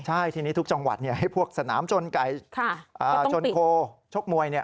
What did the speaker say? ใช่ทีนี้ทุกจังหวัดให้พวกสนามชนไก่ชนโคชกมวย